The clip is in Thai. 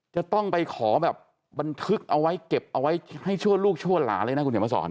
จะต้องไปขอแบบบันทึกเอาไว้เก็บเอาไว้ให้ชั่วลูกชั่วหลานเลยนะคุณเขียนมาสอน